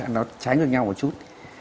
nó tránh được nhau một chút